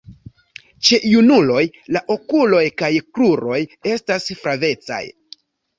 Ĉe junuloj la okuloj kaj kruroj estas flavecaj.